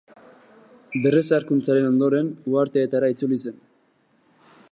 Berrezarkuntzaren ondoren, uharteetara itzuli zen.